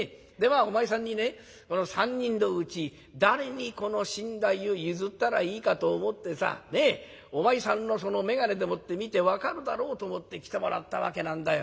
あお前さんにねこの３人のうち誰にこの身代を譲ったらいいかと思ってさお前さんのその眼鏡でもって見て分かるだろうと思って来てもらったわけなんだよ。